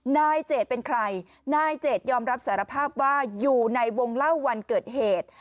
นายเจดเป็นใครนายเจดยอมรับสารภาพว่าอยู่ในวงเล่าวันเกิดเหตุ